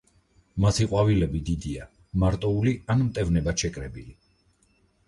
მათი ყვავილები დიდია, მარტოული ან მტევნებად შეკრებილი.